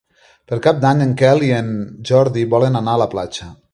Per Cap d'Any en Quel i en Jordi volen anar a la platja.